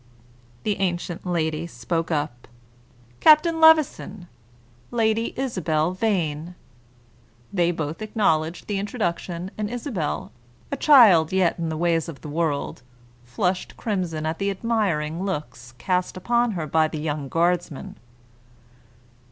The ancient lady spoke up, "Captain Levison, Lady Isabel Vane." They both acknowledged the introduction; and Isabel, a child yet in the ways of the world, flushed crimson at the admiring looks cast upon her by the young guardsman.